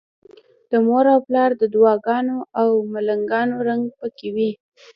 د مور او پلار د دعاګانو او ملنګانو رنګ پکې وي.